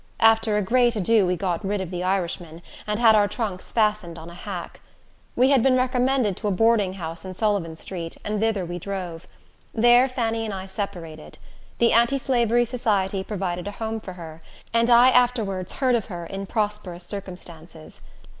After a great ado we got rid of the Irishman, and had our trunks fastened on a hack. We had been recommended to a boarding house in Sullivan Street, and thither we drove. There Fanny and I separated. The Anti Slavery Society provided a home for her, and I afterwards heard of her in prosperous circumstances.